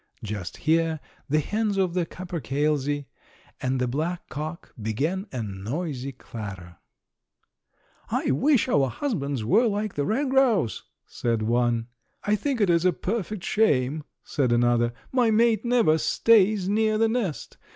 Just here the hens of the capercailzie and the black cock began a noisy clatter. "I wish our husbands were like the red grouse," said one. "I think it is a perfect shame," said another; "my mate never stays near the nest.